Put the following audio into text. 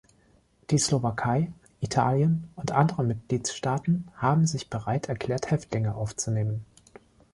Die Slowakei, Italien und andere Mitgliedstaaten haben sich bereit erklärt, Häftlinge aufzunehmen.